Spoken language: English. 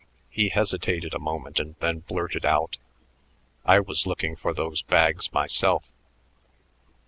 He hesitated a moment and then blurted out, "I was looking for those bags myself."